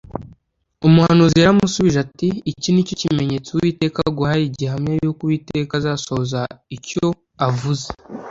umuhanuzi yaramusubije ati iki ni cyo kimenyetso uwiteka aguhaye gihamya yuko uwiteka azasohoza icyo avuze